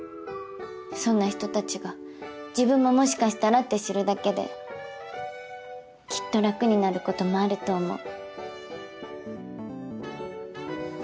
そんな人たちが自分ももしかしたらって知るだけできっと楽になることもあると思う。